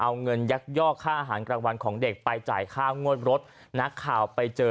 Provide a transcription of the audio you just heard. เอาเงินยักยอกค่าอาหารกลางวันของเด็กไปจ่ายค่างวดรถนักข่าวไปเจอ